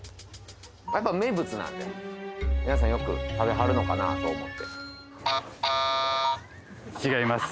やっぱ名物なんで皆さんよく食べはるのかなと思って違います